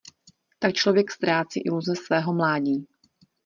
Tak člověk ztrácí iluze svého mládí.